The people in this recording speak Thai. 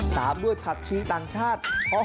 ตามด้วยผักชีต่างชาติ